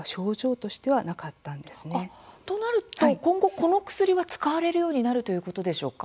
となると今後、この薬は使われるようになるということでしょうか。